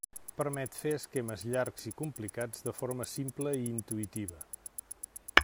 Permet fer esquemes llargs i complicats de forma simple i intuïtiva.